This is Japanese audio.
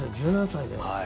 １７歳で。